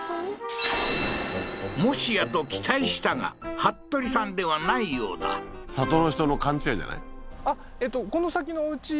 もしやと期待したがハットリさんではないようだ里の人の勘違いじゃない？